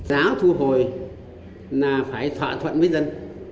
giá thu hồi là phải thỏa thuận với dân